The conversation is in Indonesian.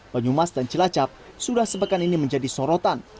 penyumas dan celacap sudah sepekan ini menjadi sorotan